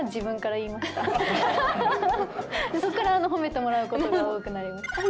そっから褒めてもらうことが多くなりました。